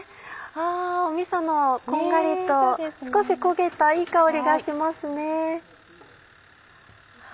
あぁみそのこんがりと少し焦げたいい香りがしますね。